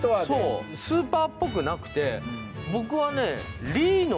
そうスーパーっぽくなくて僕はね